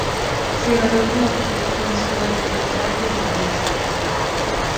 Se graduó como arquitecto en la Escuela de Bellas Artes de París.